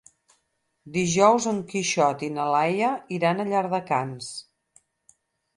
Dijous en Quixot i na Laia iran a Llardecans.